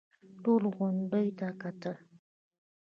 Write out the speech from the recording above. ټولو غونډيو ته کتل.